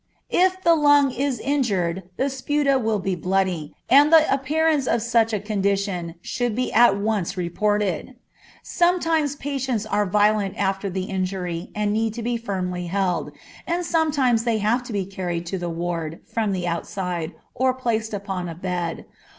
If the lung is injured the sputa will be bloody, and the appearance of such a condition should be at once reported. Sometimes patients are violent after the injury and need to be firmly held, and sometimes they have to be carried to the ward from the outside, or placed upon a bed.